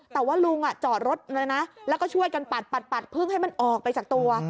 แต่ว่าลุงจอดรถเลยนะแล้วก็ช่วยกันปัดพึ่งให้มันออกไปจากตัว